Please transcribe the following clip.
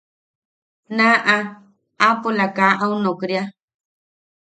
Naaʼa aapola kaa au nokria.